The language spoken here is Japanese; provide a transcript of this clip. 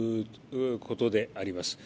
ことであります。